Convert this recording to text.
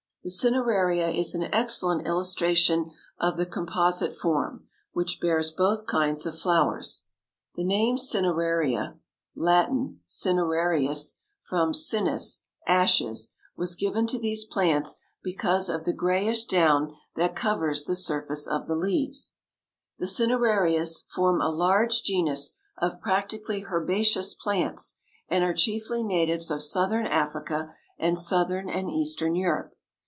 The cineraria is an excellent illustration of the composite form, which bears both kinds of flowers. The name cineraria (Latin, cinerarius, from cinis, ashes) was given to these plants because of the grayish down that covers the surface of the leaves. The cinerarias form a large genus of practically herbaceous plants, and are chiefly natives of southern Africa and southern and eastern Europe.